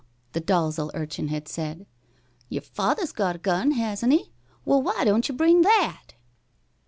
the Dalzel urchin had said; "your father's got a gun, hasn't he? Well, why don't you bring that?"